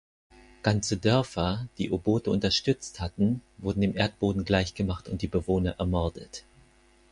Ganze Dörfer, die Obote unterstützt hatten, wurden dem Erdboden gleichgemacht und die Bewohner ermordet.